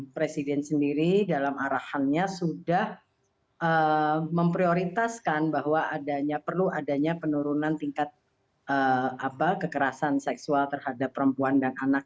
presiden sendiri dalam arahannya sudah memprioritaskan bahwa adanya perlu adanya penurunan tingkat kekerasan seksual terhadap perempuan dan anak